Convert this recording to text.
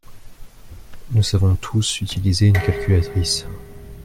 Nous savons tous utiliser une calculatrice.